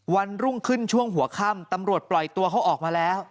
วันรุ่งขึ้นช่วงหัวค่ำตำรวจปล่อยตัวเขาออกมาแล้ว